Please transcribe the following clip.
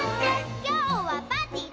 「きょうはパーティーだ！」